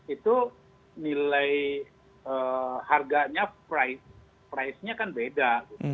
itu nilai harganya price nya kan beda